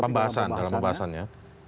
pembahasan dalam pembahasannya